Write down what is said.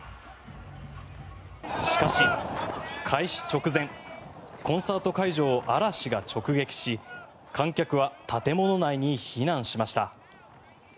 しかし、開始直前コンサート会場を嵐が直撃し観客は建物内に避難しました。